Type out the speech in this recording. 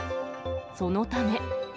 そのため。